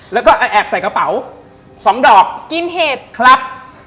แล้วก็แอบใส่กระเป๋าส่อมดอกครับกินเห็ด